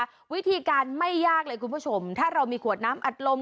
วิธีการไม่ยากเลยคุณผู้ชมถ้าเรามีขวดน้ำอัดลม